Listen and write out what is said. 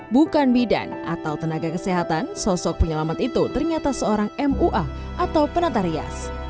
bukan bidan atau tenaga kesehatan sosok penyelamat itu ternyata seorang mua atau penata rias